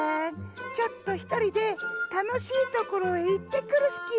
ちょっとひとりでたのしいところへいってくるスキー。